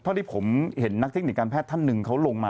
ที่ผมเห็นนักเทคนิคการแพทย์ท่านหนึ่งเขาลงมา